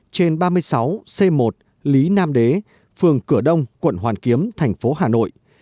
trên ba mươi sáu c một lý nam đế phường cửa đông quận hoàn kiếm thành phố hà nội